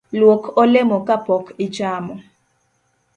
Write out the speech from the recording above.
Luok olemo kapok ichamo